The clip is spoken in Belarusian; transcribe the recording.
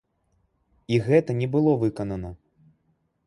І гэта не было выканана.